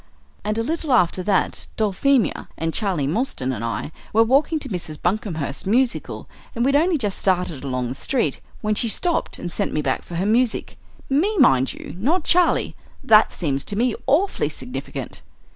"And a little after that Dulphemia and Charlie Mostyn and I were walking to Mrs. Buncomhearst's musical, and we'd only just started along the street, when she stopped and sent me back for her music me, mind you, not Charlie. That seems to me awfully significant."